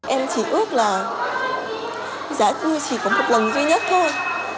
em chỉ ước là giải thư chỉ có một lần duy nhất thôi